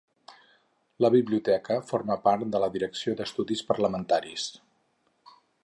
La Biblioteca forma part de la Direcció d'Estudis Parlamentaris.